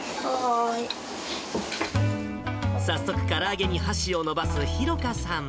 早速、から揚げに箸を伸ばす寛果さん。